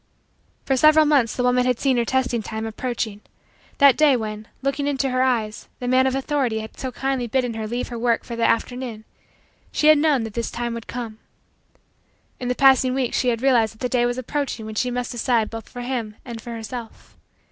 For several months, the woman had seen her testing time approaching. That day when, looking into her eyes, the man of authority had so kindly bidden her leave her work for the afternoon, she had known that this time would come. In the passing weeks she had realized that the day was approaching when she must decide both for him and for herself.